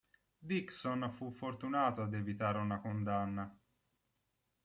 Dickson fu fortunato ad evitare una condanna.